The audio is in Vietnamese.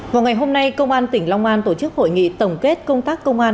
vào ngày hôm nay công an tỉnh long an tổ chức hội nghị tổng kết công tác công an